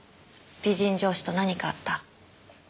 美人上司と何かあった？